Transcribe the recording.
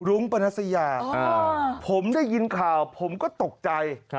ปนัสยาผมได้ยินข่าวผมก็ตกใจ